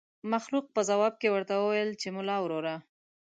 مخلوق په ځواب کې ورته وويل چې ملا وروره.